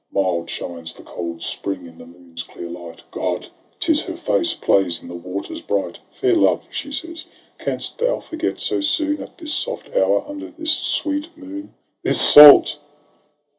— Mild shines the cold spring in the moon's clear light God ! 'tis her face plays in the waters bright. ' Fair love,' she says, ' canst thou forget so soon. At this soft hour, under this sweet moon.?' — Iseult!